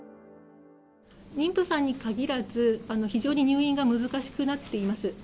妊婦さんにかぎらず、非常に入院が難しくなっています。